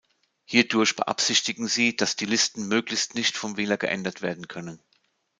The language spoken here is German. Hierdurch beabsichtigen sie, dass die Listen möglichst nicht vom Wähler geändert werden können.